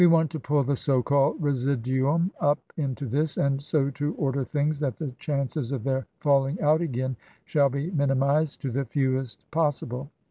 We want to pull the so called residuum up into this, and so to order things that the chances of their fallmg out again shall be minimized to the fewest possible.